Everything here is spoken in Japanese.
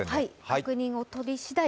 確認を取りしだい